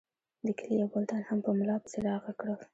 د کلي یو بل تن هم په ملا پسې را غږ کړل.